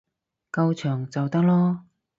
夠長就得囉